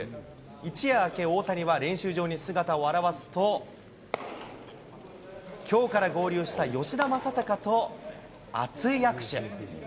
一夜明け、大谷は練習場に姿を現すと、きょうから合流した吉田正尚と熱い握手。